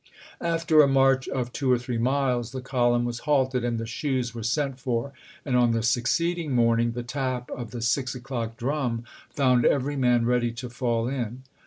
After a march of two or three miles the column was halted, and the shoes were sent for; and on the succeed ing morning, the tap of the six o'clock drum found every man ready to fall in.